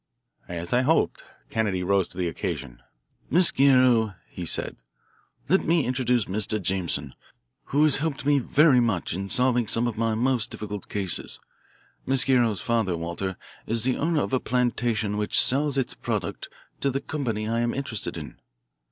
As I hoped, Kennedy rose to the occasion. "Miss Guerrero," he said, "let me introduce Mr. Jameson, who has helped me very much in solving some of my most difficult cases. Miss Guerrero's father, Walter, is the owner of a plantation which sells its product to the company I am interested in."